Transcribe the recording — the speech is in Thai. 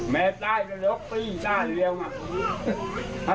แม่ตาย๖ปีต้านเลี้ยงมา